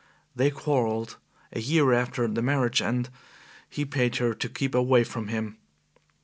They quarrelled a year after the marriage, and he paid her to keep away from him.